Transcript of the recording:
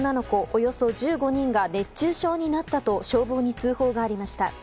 およそ１５人が熱中症になったと消防に通報がありました。